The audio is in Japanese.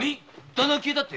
旦那が消えたって？